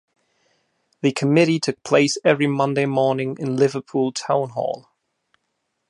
The Committee took place every Monday morning in Liverpool Town Hall.